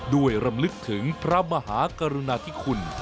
รำลึกถึงพระมหากรุณาธิคุณ